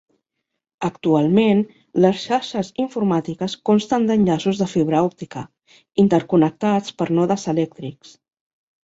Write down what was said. Actualment, les xarxes informàtiques consten d'enllaços de fibra òptica, interconnectats per nodes elèctrics.